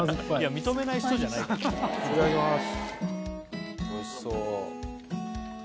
いただきます。